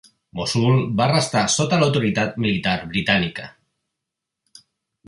Mossul va restar sota l'autoritat militar britànica.